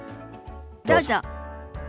どうぞ。